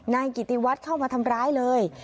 นายกิติวัฒน์เข้ามาทำร้ายเลย